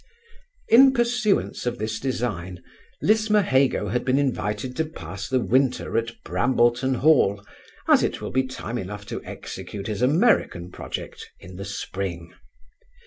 In pursuance of this design, Lismahago has been invited to pass the winter at Brambleton hall, as it will be time enough to execute his American project in the spring.